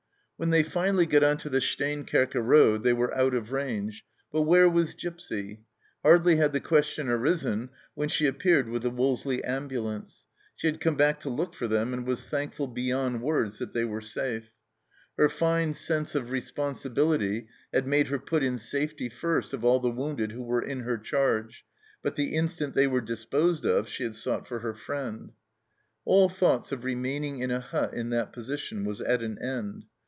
When they finally got on to the Steenkerke Road they were out of range, but where was Gipsy ? Hardly had the question arisen when she appeared with the Wolseley ambulance. She had come back to look for them, and was thankful beyond words that they were safe. Her fine sense of responsibility had made her put in safety first of all the wounded who were in her charge, but the instant they were disposed of she had sought for her friend. All thoughts of remaining in a hut in that position was at an end.